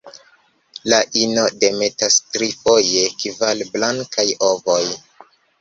La ino demetas tri, foje kvar, blankajn ovojn.